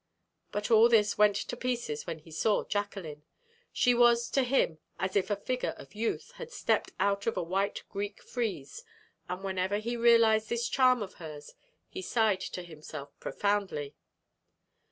But all this went to pieces when he saw Jacqueline. She was to him as if a figure of Youth had stepped out of a white Greek frieze; and whenever he realized this charm of hers, he sighed to himself profoundly.